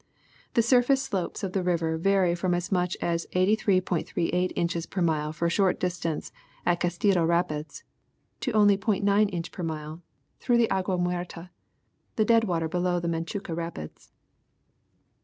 The surface slopes of the river vary from as much as 83.38 inches per mile for a short distance at Castillo rapids, to only .90 inch per mile through the Agua Muerte, the dead water below the Machuca rapids.